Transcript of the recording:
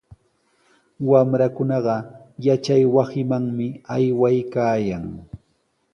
Wamrakunaqa yachaywasimanmi aywaykaayan.